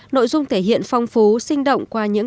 nội dung thể hiện phong phú sinh động qua những